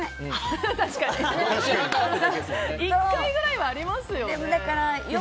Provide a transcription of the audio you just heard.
１回ぐらいはありますよね。